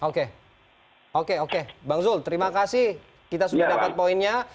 oke oke oke bang zul terima kasih kita sudah dapat poinnya